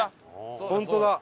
本当だ。